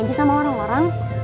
tanyain aja sama orang orang